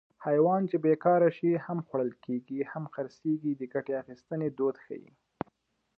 حیوان چې بېکاره شي هم خوړل کېږي هم خرڅېږي د ګټې اخیستنې دود ښيي